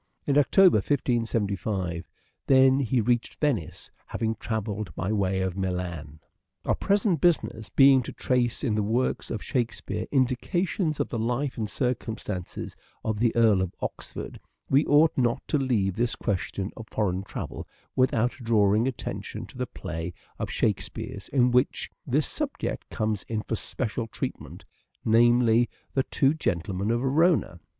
In October 1575, then, he reached Venice, having travelled by way of Milan. Our present business being to trace in the works of Shakespeare indications of the life and circumstances of the Earl of Oxford we ought not to leave this question of foreign travel without drawing attention to the play of Shakespeare's in which this subject comes in for special treatment, namely, " The Two Gentlemen of Verona."